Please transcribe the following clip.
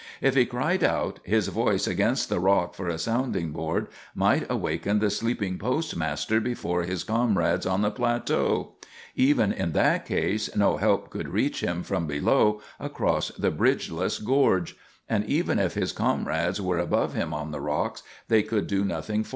If he cried out, his voice, against the rock for a sounding board, might awaken the sleeping postmaster before his comrades on the plateau. Even in that case no help could reach him from below across the bridgeless gorge; and even if his comrades were above him on the rocks, they could do nothing for him.